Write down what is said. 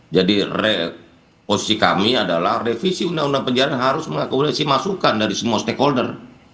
jadi posisi kami adalah revisi undang undang penyiaran harus mengakui resi masukan dari semua stakeholder